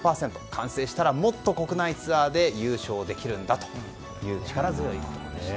完成したらもっと国内ツアーで優勝できるんだという力強いコメントでした。